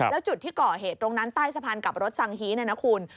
แล้วจุดที่ก่อเหตุตรงนั้นใต้สะพานกับรถสังฮีเนี่ยนะคุณ